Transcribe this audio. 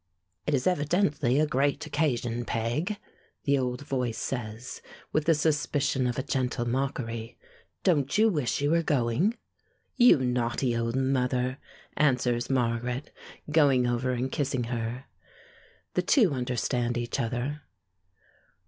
"It is evidently a great occasion, Peg," the old voice says, with the suspicion of a gentle mockery. "Don't you wish you were going?" "You naughty old mother!" answers Margaret, going over and kissing her. The two understand each other.